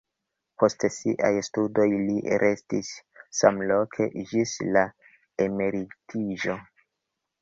Post siaj studoj li restis samloke ĝis la emeritiĝo.